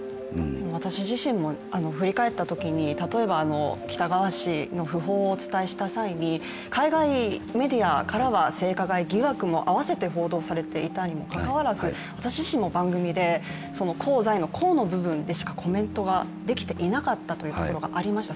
私自身も振り返ったときに例えば喜多川氏の訃報をお伝えした際に海外メディアからは性加害疑惑も合わせて報道されていたにもかかわらず、私自身も番組で功罪の功の部分でしかコメントができていなかったということがありました。